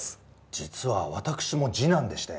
実は私も次男でして。